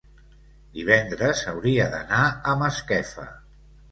divendres hauria d'anar a Masquefa.